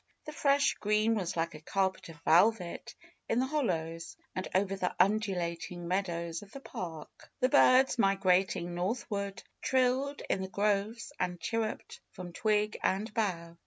The fresh green was like a carpet of velvet in the hol lows, and over the undulating meadows of the park. The birds migrating northward trilled in the groves and chirruped from twig and bough.